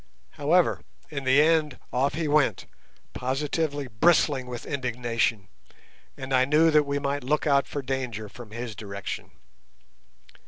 However, in the end off he went, positively bristling with indignation, and I knew that we might look out for danger from his direction.